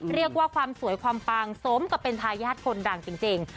เรียกว่าความสวยความปังสมกับเป็นทายาทคนดังจริง